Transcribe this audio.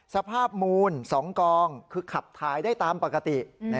สภาพมูล๒กองคือขับถ่ายได้ตามปกติ